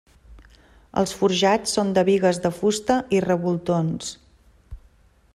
Els forjats són de bigues de fusta i revoltons.